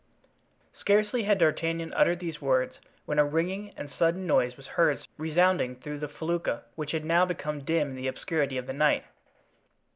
Scarcely had D'Artagnan uttered these words when a ringing and sudden noise was heard resounding through the felucca, which had now become dim in the obscurity of the night.